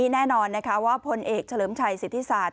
แน่นอนว่าพลเอกเฉลิมชัยศิษฐศาสตร์